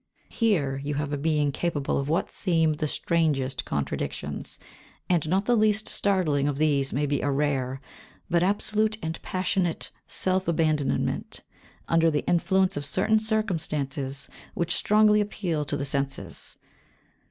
Here you have a being capable of what seem the strangest contradictions, and not the least startling of these may be a rare, but absolute and passionate, self abandonment, under the influence of certain circumstances which strongly appeal to the senses.